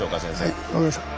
はい分かりました。